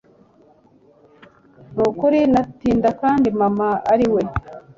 nukuri natinda kandi mama ariwe